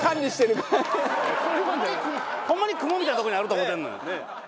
ホンマに雲みたいな所にあると思うてんのよ。